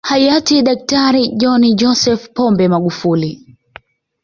Hayati Daktari John Joseph Pombe Magufuli